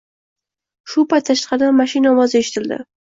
Shu payt tashqaridan mashina ovozi eshitildi